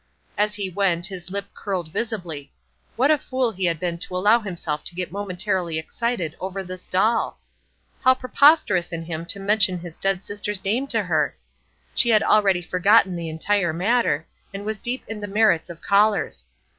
As he went, his lip curled visibly. What a fool he had been to allow himself to get momentarily excited over this doll! How preposterous in him to mention his dead sister's name to her! She had already forgotten the entire matter, and was deep in the merits of collars!